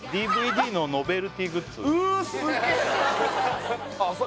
ＤＶＤのノベルティグッズうすっげえ